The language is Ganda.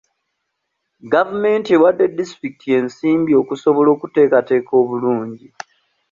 Gavumenti ewadde disitulikiti ensimbi okusobola okuteekataaka obulungi.